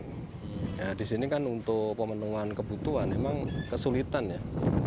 nah disini kan untuk pemenuhan kebutuhan memang kesulitan ya